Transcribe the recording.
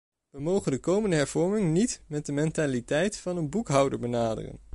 Wij mogen de komende hervormingen niet met de mentaliteit van een boekhouder benaderen.